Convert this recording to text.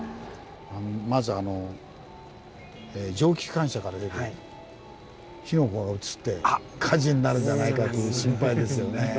まずあの蒸気機関車から出てる火の粉が移って火事になるんじゃないかという心配ですよね。